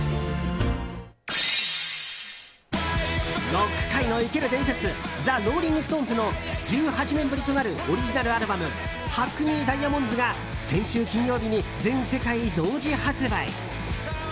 ロック界の生ける伝説ザ・ローリング・ストーンズの１８年ぶりとなるオリジナルアルバム「ハックニー・ダイアモンズ」が先週金曜日に全世界同時発売。